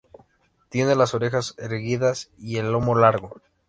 Tiene las orejas erguidas y el lomo largo.